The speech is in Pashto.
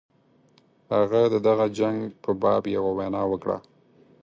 هغه د دغه جنګ په باب یوه وینا وکړه.